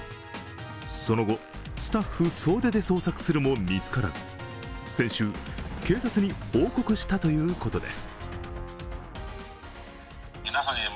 その後、スタッフ総出で捜索するも見つからず、先週、警察に報告したということです。